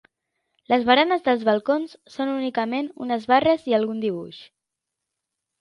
Les baranes dels balcons són únicament unes barres i algun dibuix.